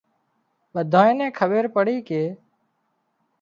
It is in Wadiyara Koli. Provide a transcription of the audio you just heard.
ٻۮانئين کٻير پڙي ڪي